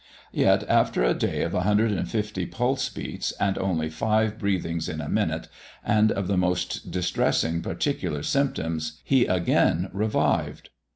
Yet, after a day of 150 pulse beats, and only five breathings in a minute, and of the most distressing particular symptoms, he again revived.